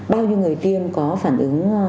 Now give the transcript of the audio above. bao nhiêu người tiêm có phản ứng